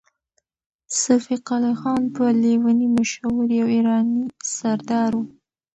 صفي قلي خان په لېوني مشهور يو ایراني سردار و.